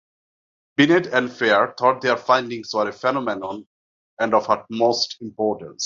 Binet and Fere thought their findings were a phenomenon and of utmost importance.